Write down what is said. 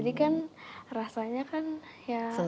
jadi kan rasanya kan